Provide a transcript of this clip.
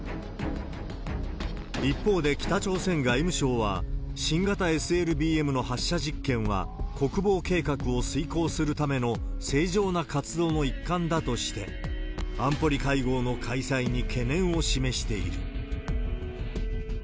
一方で北朝鮮外務省は、新型ＳＬＢＭの発射実験は国防計画を遂行するための正常な活動の一環だとして、安保理会合の開催に懸念を示している。